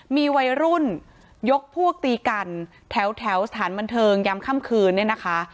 มีวัยรุ่นยกพวกตีกันแถวสถานบันเทิงยามค่ำคืนเนี่ยนะคะ